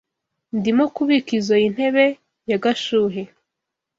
Ndimo kubika izoi ntebe ya Gashuhe.